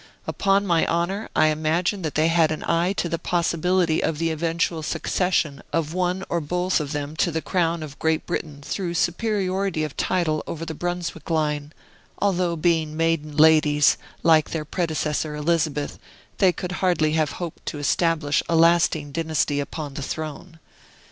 Upon my honor, I imagine that they had an eye to the possibility of the eventual succession of one or both of them to the crown of Great Britain through superiority of title over the Brunswick line; although, being maiden ladies, like their predecessor Elizabeth, they could hardly have hoped to establish a lasting dynasty upon the throne.